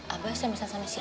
abah sambil sasame siapa sih